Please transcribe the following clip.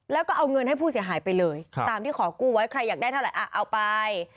แล้วก็เอาเงินให้ผู้เสียหายไปเลยตามที่ขอกู้ไว้ใครอยากได้เท่าไหร่เอาไป